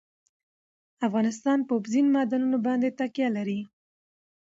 افغانستان په اوبزین معدنونه باندې تکیه لري.